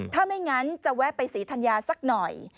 ถ้าไม่งั้นจะแวะไปศรีธัญญาสักหน่อย